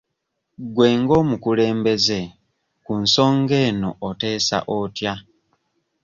Gwe ng'omukulembeze ku nsonga eno oteesa otya?